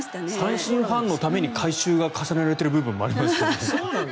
阪神ファンのために改修が重ねられてる部分もありますからね。